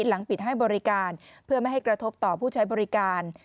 หลังปิดให้บริการเพื่อไม่ให้กระทบต่อผู้ใช้บริการ